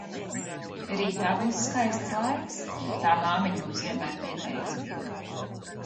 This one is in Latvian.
Rītā būs skaists laiks, tā māmiņa mums vienmēr pieteica.